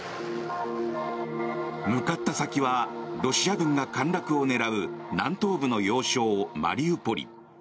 向かった先はロシア軍が陥落を狙う南東部の要衝マリウポリ。